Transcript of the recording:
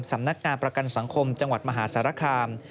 สำนักงานประกันสังคมจังหวัดมหาสารคาม